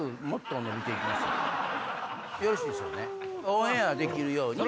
オンエアできるように。